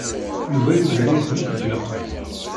Yuba yugar-iten akk deg lqedd.